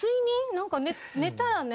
なんか寝たらね。